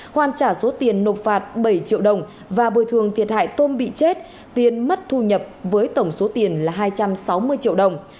hoàn trả số tiền nộp phạt bảy triệu đồng và bồi thường thiệt hại tôm bị chết tiền mất thu nhập với tổng số tiền là hai trăm sáu mươi triệu đồng